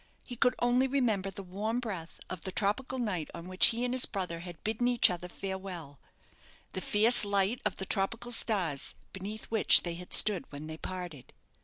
He could only remember the warm breath of the tropical night on which he and his brother had bidden each other farewell the fierce light of the tropical stars beneath which they had stood when they parted.